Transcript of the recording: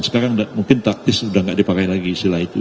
sekarang mungkin taktis sudah tidak dipakai lagi istilah itu